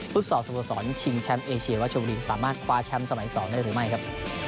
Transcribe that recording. สอบสโมสรชิงแชมป์เอเชียว่าชมบุรีสามารถคว้าแชมป์สมัย๒ได้หรือไม่ครับ